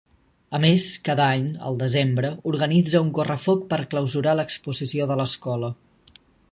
A més, cada any, al desembre, organitza un correfoc per clausurar l'exposició de l'escola.